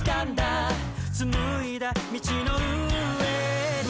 「紡いだ道の上に」